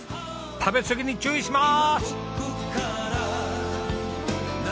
食べ過ぎに注意します！